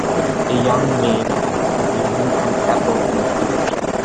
A young main is using an Apple computer.